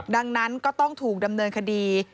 ดังนั้นก็ต้องถูกดำเนินคดี